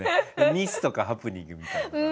ミスとかハプニングみたいな。